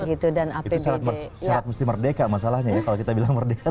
itu syarat mesti merdeka masalahnya ya kalau kita bilang merdeka